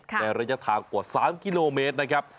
ระยะทางกว่า๓กิโลเมตรนะครับ